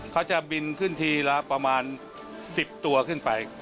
เขาจะบินขึ้นทีละประมาณ๑๐ตัวขึ้นไป